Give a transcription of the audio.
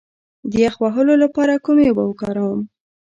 د یخ وهلو لپاره کومې اوبه وکاروم؟